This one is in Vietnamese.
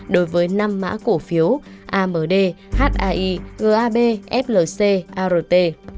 đối với năm mã cổ phiếu amd haii gab flc art